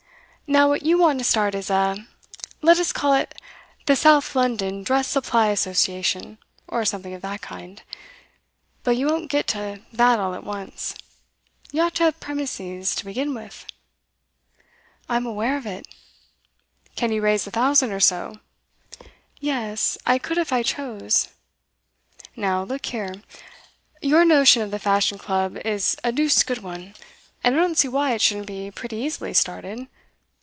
Now what you want to start is a let us call it the South London Dress Supply Association, or something of that kind. But you won't get to that all at once. You ought to have premises to begin with.' 'I'm aware of it.' 'Can you raise a thousand or so?' 'Yes, I could if I chose.' 'Now, look here. Your notion of the Fashion Club is a deuced good one, and I don't see why it shouldn't be pretty easily started.